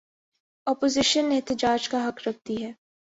Opposition احتجاج کا حق رکھتی ہے۔